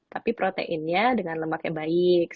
tapi proteinnya dengan lemak yang baik